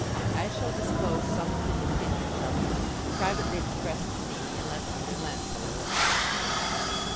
I shall disclose some of his opinions of you, privately expressed to me, unless he relents a little.